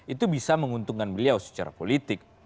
itu bisa menguntungkan beliau secara politik